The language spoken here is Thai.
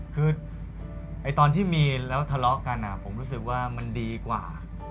คือตอนที่มีแล้วทะเลาะกันผมรู้สึกว่ามันดีกว่า